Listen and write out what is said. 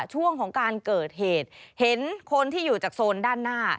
ช่วงของการเกิดเหตุเห็นคนที่อยู่จากโซนด้านหน้า